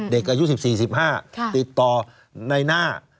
เด็กอายุ๑๔๑๕ติดต่อในหน้า